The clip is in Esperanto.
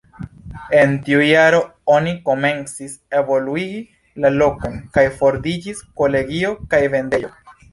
En tiu jaro oni komencis evoluigi la lokon, kaj fondiĝis kolegio kaj vendejo.